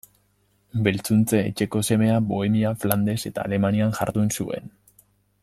Beltzuntze Etxeko semea, Bohemia, Flandes eta Alemanian jardun zuen.